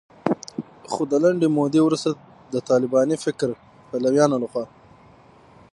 خو د لنډې مودې وروسته د طالباني فکر پلویانو لخوا